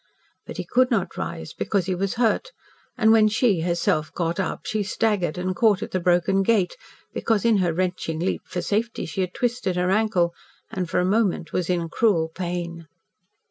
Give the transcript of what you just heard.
But he could not rise, because he was hurt and when she, herself, got up, she staggered, and caught at the broken gate, because in her wrenching leap for safety she had twisted her ankle, and for a moment was in cruel pain.